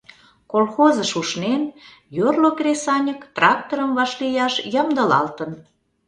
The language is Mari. Колхозыш ушнен, йорло кресаньык тракторым вашлияш ямдылалтын.